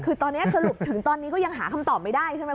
คือตอนนี้สรุปถึงตอนนี้ก็ยังหาคำตอบไม่ได้ใช่ไหม